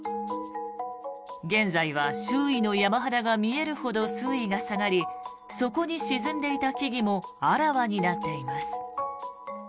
現在は周囲の山肌が見えるほど水位が下がり底に沈んでいた木々もあらわになっています。